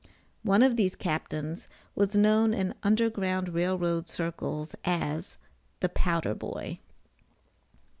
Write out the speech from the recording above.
One of these captains was known in Underground Rail Road circles as the "powder boy."